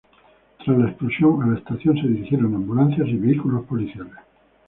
Tras la explosión, a la estación se dirigieron ambulancias y vehículos policiales.